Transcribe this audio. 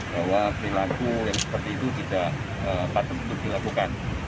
bahwa perilaku yang seperti itu tidak patut untuk dilakukan